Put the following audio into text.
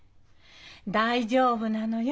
大丈夫なのよ。